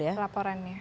untuk kasus laporannya